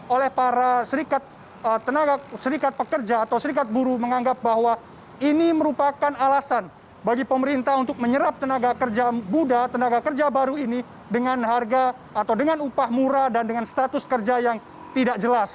oleh para serikat pekerja atau serikat buruh menganggap bahwa ini merupakan alasan bagi pemerintah untuk menyerap tenaga kerja buddha tenaga kerja baru ini dengan harga atau dengan upah murah dan dengan status kerja yang tidak jelas